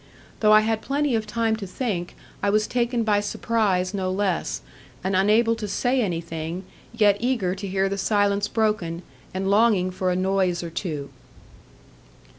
Though I had plenty of time to think, I was taken by surprise no less, and unable to say anything; yet eager to hear the silence broken, and longing for a noise or two.